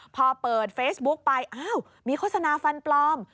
พอเปิดเฟซบุ๊กไปอ้าวมีโฆษณาฟันปลอม